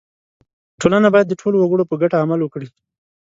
• ټولنه باید د ټولو وګړو په ګټه عمل وکړي.